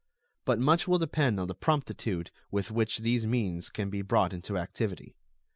But much will depend on the promptitude with which these means can be brought into activity.